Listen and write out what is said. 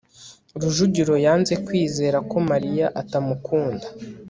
rujugiro yanze kwizera ko mariya atamukunda